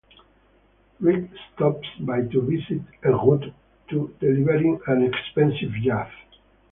Rick stops by to visit "en route" to delivering an expensive yacht.